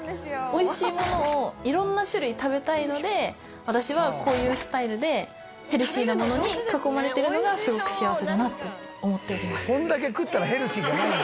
美味しいものを色んな種類食べたいので私はこういうスタイルでヘルシーなものに囲まれてるのがすごく幸せだなと思っております。